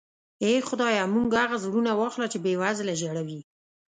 اې خدایه موږ هغه زړونه واخله چې بې وزله ژړوي.